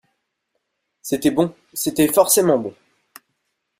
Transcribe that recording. C’était bon. C’était forcément bon.